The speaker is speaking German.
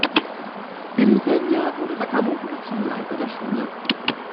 Im selben Jahr wurde Sakamoto zum Leiter der Schule.